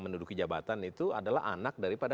menduduki jabatan itu adalah anak daripada